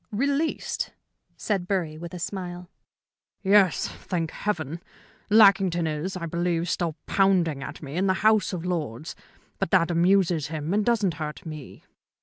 "Released?" said Bury, with a smile. "Yes, thank Heaven. Lackington is, I believe, still pounding at me in the House of Lords. But that amuses him and doesn't hurt me."